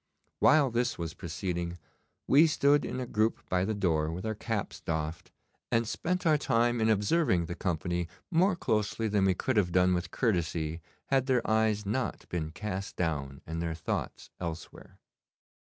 While this was proceeding we stood in a group by the door with our caps doffed, and spent our time in observing the company more closely than we could have done with courtesy had their eyes not been cast down and their thoughts elsewhere.